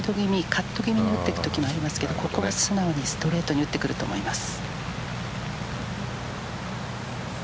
カット気味に打っていくときもありますがここは素直にストレートに打っていくと思います。